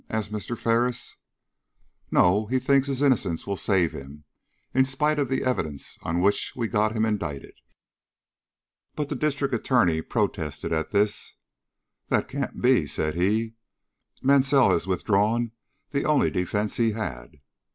asked Mr. Ferris. "No; he thinks his innocence will save him, in spite of the evidence on which we got him indicted." But the District Attorney protested at this. "That can't be," said he; "Mansell has withdrawn the only defence he had."